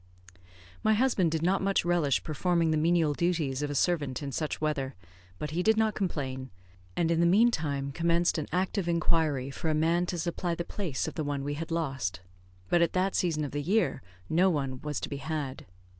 My husband did not much relish performing the menial duties of a servant in such weather, but he did not complain, and in the meantime commenced an active inquiry for a man to supply the place of the one we had lost; but at that season of the year no one was to be had.